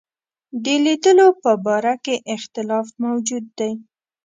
د لیدلو په باره کې اختلاف موجود دی.